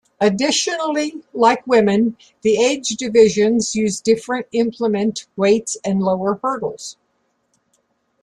Additionally, like women, the age divisions use different implement weights and lower hurdles.